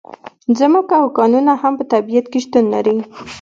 ځمکه او کانونه هم په طبیعت کې شتون لري.